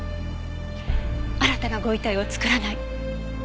新たなご遺体を作らない。